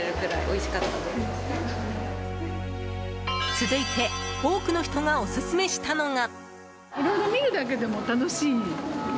続いて多くの人がオススメしたのが。